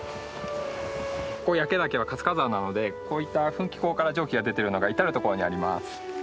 ここ焼岳は活火山なのでこういった噴気孔から蒸気が出ているようなのが至る所にあります。